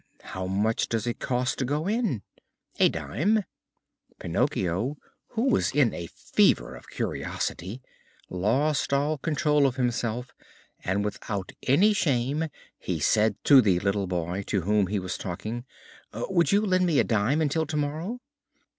"How much does it cost to go in?" "A dime." Pinocchio, who was in a fever of curiosity, lost all control of himself, and without any shame he said to the little boy to whom he was talking: "Would you lend me a dime until tomorrow?"